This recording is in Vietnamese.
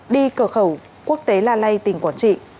đi cờ khẩu quốc tế la lay tỉnh quảng trị